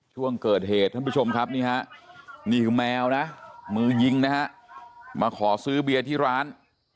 ช่วงเกิดเหตุท่านผู้ชมครับนี่ฮะนี่คือแมวนะมือยิงนะฮะมาขอซื้อเบียร์ที่ร้าน